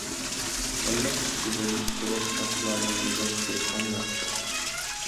تاللىق ئىچىدىن قۇرۇق شاخلارنى يىغىپ گۈلخان ياقتۇق.